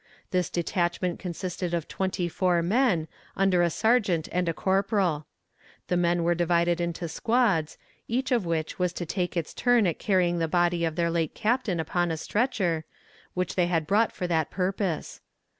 This detachment consisted of twenty four men, under a sergeant and a corporal. The men were divided into squads, each of which was to take its turn at carrying the body of their late Captain upon a stretcher, which they had brought for that purpose.